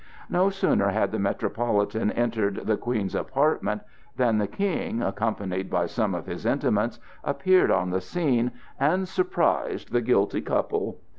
No sooner had the Metropolitan entered the Queen's apartments than the King, accompanied by some of his intimates, appeared on the scene and "surprised the guilty couple."